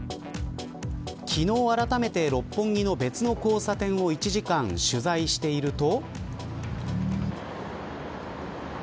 昨日、あらためて六本木の別の交差点を１時間取材していると。